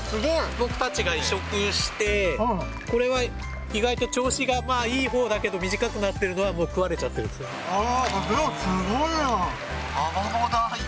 僕たちが移植して、これは意外と調子がいいほうだけど、短くなってるのは、もう食われちでもすごいな。